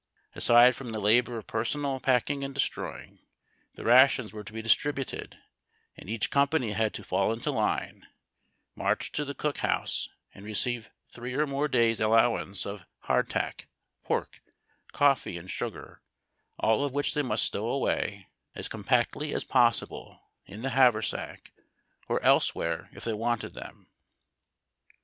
Aside from the labor of personal pack ing and destroying, 'the rations were to be distributed, and each company had to fall into line, march to the cook house, and receive their three or more days' allowance of hardtack, pork, coffee, and sugar, all of which they must stowaway, as compactly as possible, in the haversack or elsewhere if they wanted them.